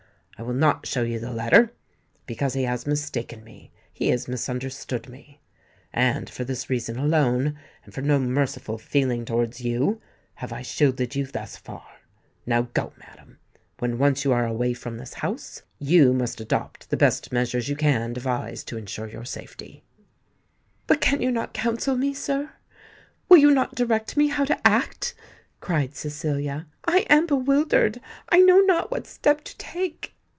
I will not show you the letter, because he has mistaken me—he has misunderstood me; and for this reason alone—and for no merciful feeling towards you—have I shielded you thus far. Now go, madam: when once you are away from this house, you must adopt the best measures you can devise to ensure your safety." "But can you not counsel me, sir—will you not direct me how to act?" cried Cecilia: "I am bewildered—I know not what step to take!"